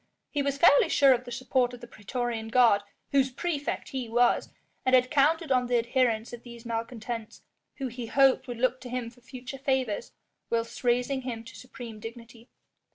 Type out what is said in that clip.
He was fairly sure of the support of the praetorian guard, whose praefect he was, and had counted on the adherence of these malcontents, who he hoped would look to him for future favours whilst raising him to supreme dignity.